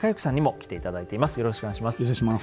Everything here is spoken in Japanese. よろしくお願いします。